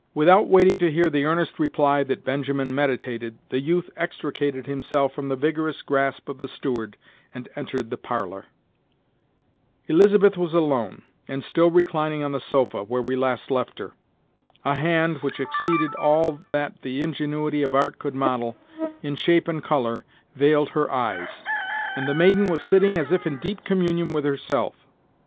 Without waiting to hear the earnest reply that Benjamin meditated, the youth extricated himself from the vigorous grasp of the steward, and entered the parlor. Elizabeth was alone, and still reclining on the sofa, where we last left her. A hand, which exceeded all that the ingenuity of art could model, in shape and color, veiled her eyes; and the maiden was sitting as if in deep communion with herself.